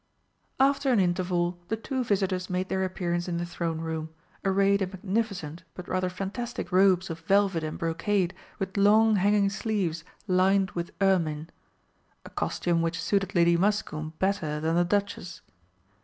After an interval the two visitors made their appearance in the Throne Room, arrayed in magnificent but rather fantastic robes of velvet and brocade with long hanging sleeves lined with ermine a costume which suited Lady Muscombe better than the Duchess.